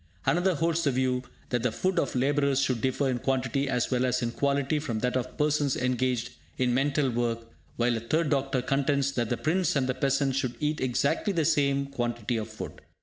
Another holds the view that the food of labourers should differ in quantity as well as in quality from that of persons engaged in mental work, while a third doctor contends that the prince and the peasant should eat exactly the same quantity of food.